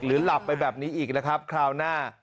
หรือหลับไปแบบนี้อีกนะครับคราวหน้า